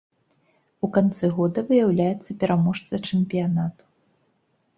У канцы года выяўляецца пераможца чэмпіянату.